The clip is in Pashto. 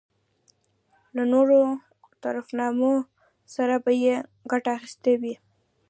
له نورو ظفرنامو څخه به یې ګټه اخیستې وي.